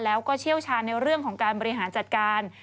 แล้วก็เชี่ยวชาญในเรื่องของการบริหารจัดการ